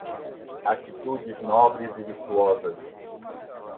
Atitudes nobres e virtuosas